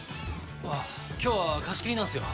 今日は貸し切りなんすよ。